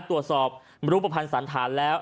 ตรวจสอบรู้ประพันธ์สันธารแล้ว